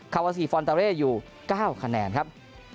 คาวาสกิฟอนตาเล่อยู่๙คะแนนครับ